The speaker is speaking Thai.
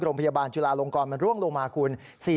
โรงพยาบาลจุลาลงกรมันร่วงลงมาคุณ